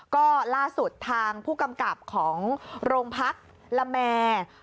ก็ล่าสุดทางผู้กำกับของโรงพักละแมร์